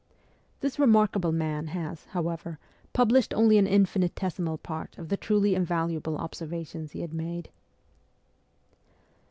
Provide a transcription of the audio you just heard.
This remarkable man has, however, published only an infinitesimal part of the truly invaluable observations he had made.